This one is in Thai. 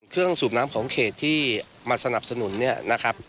สูบน้ำของเขตที่มาสนับสนุนเนี่ยนะครับ